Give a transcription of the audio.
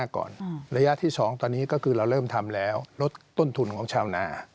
ก็ระยะสั้นนี้ต้องแก้ปัญหา